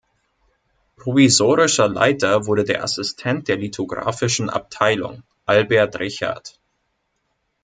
Provisorischer Leiter wurde der Assistent der Lithographischen Abteilung, Albert Richard.